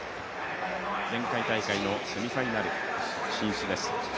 前回大会のセミファイナル進出です。